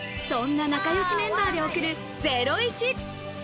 そんな仲良しメンバーで送る『ゼロイチ』。